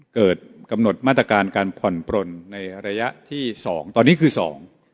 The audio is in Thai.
เกิดกำหนดมาตรการการผ่อนปลนในระยะที่สองตอนนี้คือสอง